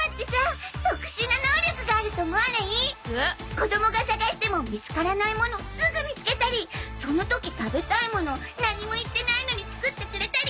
子どもが探しても見つからないものすぐ見つけたりその時食べたいもの何も言ってないのに作ってくれたり